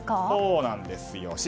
そうなんですよ。